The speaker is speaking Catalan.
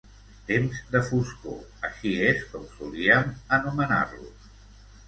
Temps de foscor, així és com solíem anomenar-los.